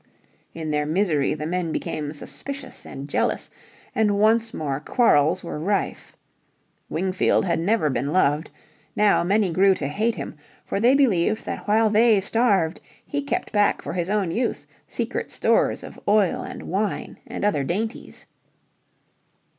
In their misery the men became suspicious and jealous, and once more quarrels were rife. Wingfield had never been loved. Now many grew to hate him, for they believed that while they starved he kept back for his own use secret stores of oil and wine and other dainties.